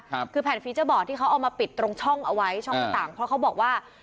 ครับคือแผ่นที่เขาเอามาปิดตรงช่องเอาไว้ช่องต่างเพราะเขาบอกว่า